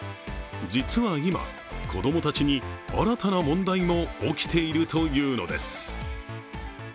実は今、子供たちに新たな問題も起きているというのです。